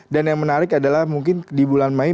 dan yang menarik adalah mungkin di bulan mei